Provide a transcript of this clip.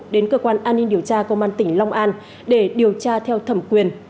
đến cơ quan an ninh điều tra công an tỉnh long an để điều tra theo thẩm quyền